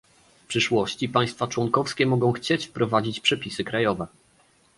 W przyszłości państwa członkowskie mogą chcieć wprowadzić przepisy krajowe